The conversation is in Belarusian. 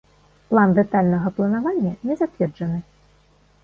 План дэтальнага планавання не зацверджаны.